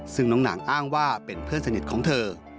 ซึ่งน้องหนังอ้างว่าเป็นเพื่อนสนิทของเธอ